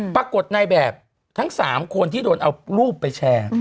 ปรากฏในแบบทั้ง๓คนที่โดนเอารูปไปแชร์